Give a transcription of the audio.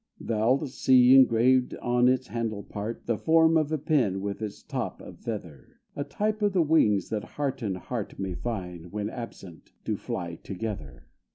Thou 'lt see engraved on its handle part, The form of a pen, with its top of feather A type of the wings that heart and heart May find, when absent, to fly together.